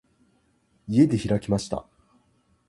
家で開きました。